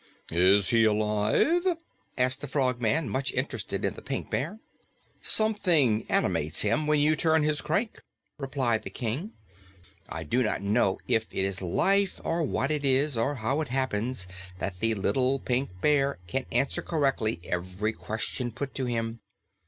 "Is he alive?" asked the Frogman, much interested in the Pink Bear. "Something animates him when you turn his crank," replied the King. "I do not know if it is life or what it is or how it happens that the Little Pink Bear can answer correctly every question put to him.